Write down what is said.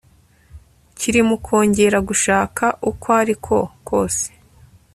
kiri mu kongera gushaka uko ari ko kose